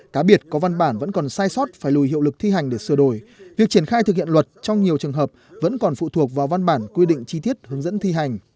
cá biệt có văn bản vẫn còn sai sót phải lùi hiệu lực thi hành để sửa đổi việc triển khai thực hiện luật trong nhiều trường hợp vẫn còn phụ thuộc vào văn bản quy định chi tiết hướng dẫn thi hành